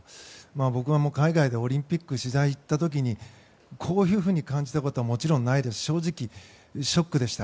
僕は海外でオリンピック取材に行った時にこういうふうに感じたことはもちろんないですし正直、ショックでした。